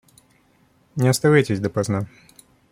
Не оставайтесь допоздна.